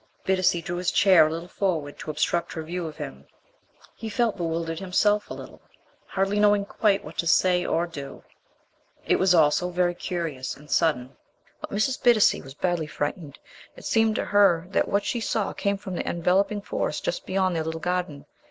Bittacy drew his chair a little forward to obstruct her view of him. He felt bewildered himself, a little, hardly knowing quite what to say or do. It was all so very curious and sudden. But Mrs. Bittacy was badly frightened. It seemed to her that what she saw came from the enveloping forest just beyond their little garden.